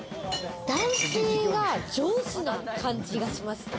男性が上司な感じがします。